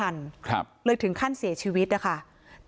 อาบน้ำเป็นจิตเที่ยว